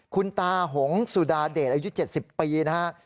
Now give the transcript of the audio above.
คุณตาหงสุดาเดชอายุ๗๐ปีนะฮะ